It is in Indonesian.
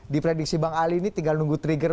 diprediksi bang ali ini tinggal nunggu trigger